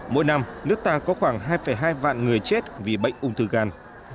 mỗi năm nước ta có khoảng hai hai vạn người chết vì bệnh ung thư gan